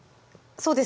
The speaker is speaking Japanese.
そうです